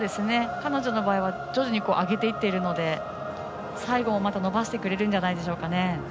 彼女の場合は徐々に上げていってるので最後も伸ばしてくれるんじゃないでしょうか。